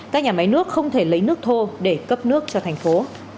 các nhà máy nước không thể lấy nước thô để cấp nước cho thành phố